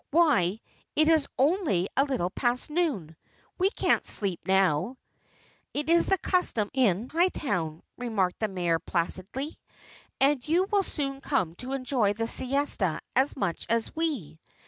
"Why, it is only a little past noon. We can't sleep now." "It is the custom in Hightown," remarked the Mayor placidly, "and you will soon come to enjoy the siesta as much as we.